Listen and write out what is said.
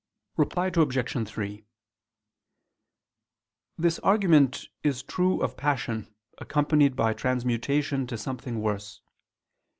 Reply Obj. 3: This argument is true of passion accompanied by transmutation to something worse.